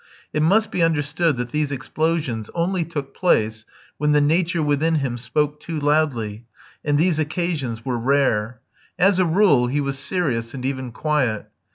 It must be understood that these explosions only took place when the nature within him spoke too loudly, and these occasions were rare; as a rule he was serious and even quiet.